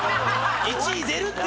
１位出るって！